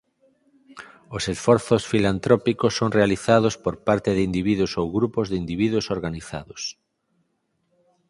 Os esforzos filantrópicos son realizados por parte de individuos ou grupos de individuos organizados.